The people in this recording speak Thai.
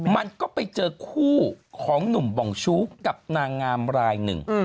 มันก็ไปเจอคู่ของหนุ่มบองชู้กับนางงามรายหนึ่ง